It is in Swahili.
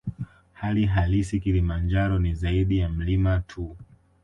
Hali halisi Kilimanjaro ni zaidi ya mlima tu